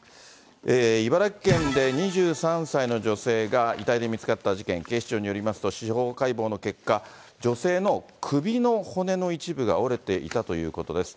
茨城県で２３歳の女性が遺体で見つかった事件、警視庁によりますと、司法解剖の結果、女性の首の骨の一部が折れていたということです。